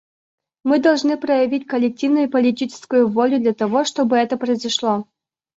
Мы должны проявить коллективную политическую волю для того, чтобы это произошло.